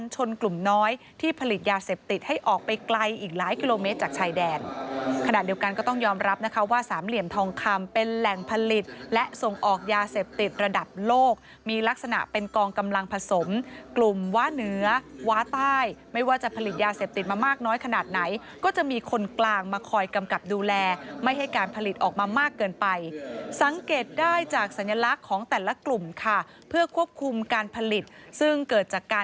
จากชายแดนขนาดเดียวกันก็ต้องยอมรับนะคะว่าสามเหลี่ยมทองคำเป็นแหล่งผลิตและส่งออกยาเสพติดระดับโลกมีลักษณะเป็นกองกำลังผสมกลุ่มวาเหนือวาใต้ไม่ว่าจะผลิตยาเสพติดมามากน้อยขนาดไหนก็จะมีคนกลางมาคอยกำกับดูแลไม่ให้การผลิตออกมามากเกินไปสังเกตได้จากสัญลักษณ์ของแต่ละกลุ่มค่ะเพื่